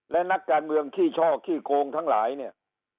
และนักการเมืองขี้ช่อขี้โกงทั้งหลายเนี่ย